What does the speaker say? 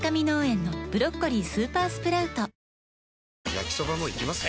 焼きソバもいきます？